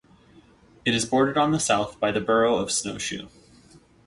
It is bordered on the south by the borough of Snow Shoe.